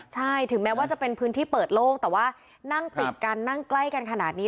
ใช่ถึงแม้ว่าจะเป็นพื้นที่เปิดโล่งแต่ว่านั่งติดกันนั่งใกล้กันขนาดนี้